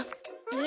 え！